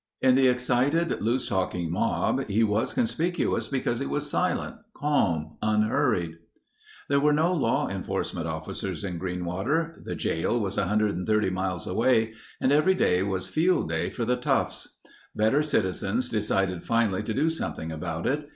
In the excited, loose talking mob he was conspicuous because he was silent, calm, unhurried. There were no law enforcement officers in Greenwater. The jail was 130 miles away and every day was field day for the toughs. Better citizens decided finally to do something about it.